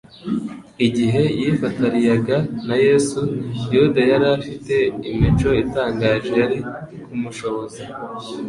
Igihe yifatariyaga na Yesu, Yuda yari afite imico itangaje yari kumushoboza